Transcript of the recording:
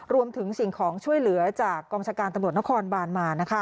สิ่งของช่วยเหลือจากกองชาการตำรวจนครบานมา